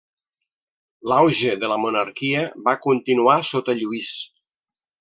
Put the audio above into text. L'auge de la monarquia va continuar sota Lluís.